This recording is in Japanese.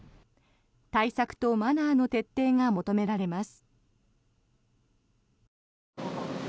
対策とマナーの徹底が求められます。